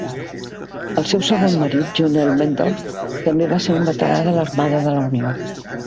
El seu segon marit, John Elmendorf, també va ser un veterà de l'Armada de la Unió.